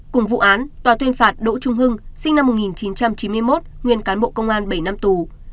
cùng vụ án tòa tuyên phạt đỗ trung hưng sinh năm một nghìn chín trăm chín mươi một nguyên cán bộ công an bảy năm tù